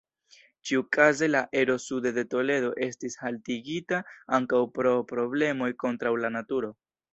Ĉiukaze la ero sude de Toledo estis haltigita ankaŭ pro problemoj kontraŭ la naturo.